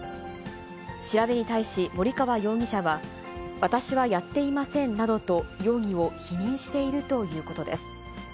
調べに対し森川容疑者は、私はやっていませんなどと容疑を否認しているということです。